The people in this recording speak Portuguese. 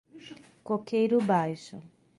Coqueiro Baixo